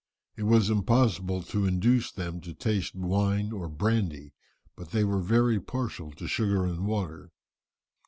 It was impossible to induce them to taste wine or brandy, but they were very partial to sugar and water.